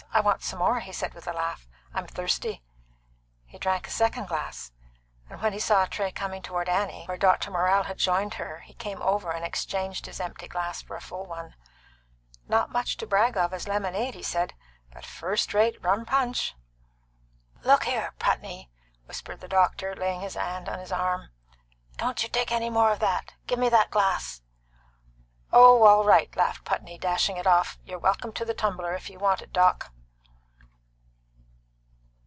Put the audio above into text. "I want some more," he said, with a laugh; "I'm thirsty." He drank a second glass, and when he saw a tray coming toward Annie, where Dr. Morrell had joined her, he came over and exchanged his empty glass for a full one. "Not much to brag of as lemonade," he said, "but first rate rum punch." "Look here, Putney," whispered the doctor, laying his hand on his arm, "don't you take any more of that. Give me that glass!" "Oh, all right!" laughed Putney, dashing it off. "You're welcome to the tumbler, if you want it, Doc."